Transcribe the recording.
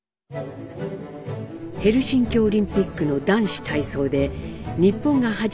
ヘルシンキオリンピックの男子体操で日本が初めてメダルを獲得。